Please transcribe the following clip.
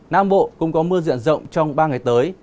nam bộ cũng có mưa diện rộng trong ba ngày tới